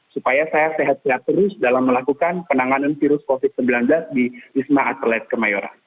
supaya saya sehat sehat terus dalam melakukan penanganan virus covid sembilan belas di wisma atlet kemayoran